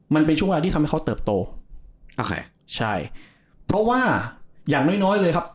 มันเป็นช่วงเวลาที่ทำให้เขาเติบโตอ่าใครใช่เพราะว่าอย่างน้อยน้อยเลยครับ